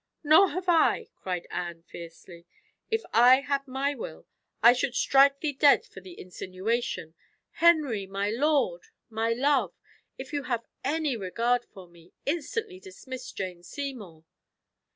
"Nor have I!" cried Anne fiercely. "If I had my will, I should strike thee dead for the insinuation. Henry, my lord my love if you have any regard for me, instantly dismiss Jane Seymour."